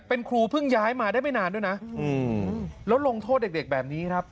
เป็นครูเพิ่งย้ายมาได้ไม่นานด้วยนะแล้วลงโทษเด็กแบบนี้ครับ